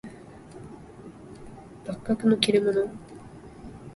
幕閣の利れ者